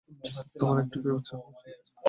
তোমার একটু পিছপা হওয়া উচিৎ।